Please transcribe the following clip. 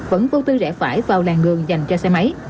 vẫn vô tư rẽ phải vào làn đường dành cho xe máy